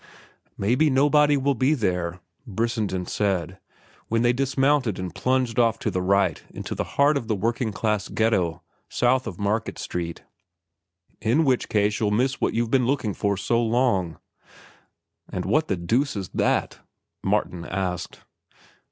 "Maybe nobody will be there," Brissenden said, when they dismounted and plunged off to the right into the heart of the working class ghetto, south of Market Street. "In which case you'll miss what you've been looking for so long." "And what the deuce is that?" Martin asked.